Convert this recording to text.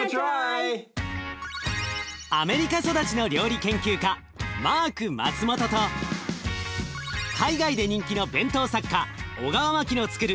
アメリカ育ちの料理研究家マーク・マツモトと海外で人気の弁当作家小川真樹のつくる